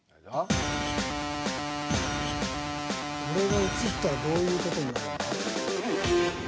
俺が映ったらどういう事になるんや。